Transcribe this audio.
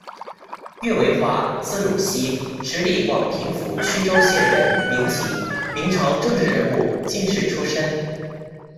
岳维华，字汝西，直隶广平府曲周县人，民籍，明朝政治人物、进士出身。